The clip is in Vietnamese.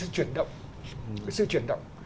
cái sự chuyển động